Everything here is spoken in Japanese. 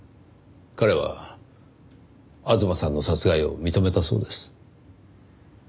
彼は吾妻さんの殺害を認めたそうです。